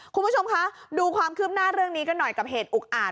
คุณผู้ชมคะดูความคืบหน้าเรื่องนี้กันหน่อยกับเหตุอุกอาจ